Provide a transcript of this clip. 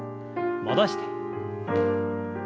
戻して。